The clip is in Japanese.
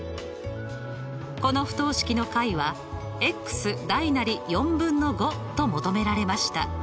この不等式の解は大なり４分の５と求められました。